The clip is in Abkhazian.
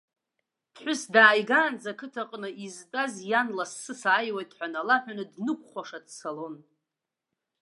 Ԥҳәыс дааигаанӡа, ақыҭаҟны изтәаз иан лассы сааиуеит ҳәа налаҳәаны, днықәхәаша дцалон.